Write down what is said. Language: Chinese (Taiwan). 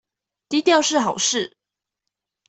低調是好事